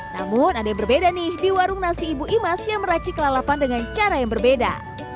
namun ada yang berbeda nih di warung nasi ibu imas yang meracik lalapan dengan cara yang berbeda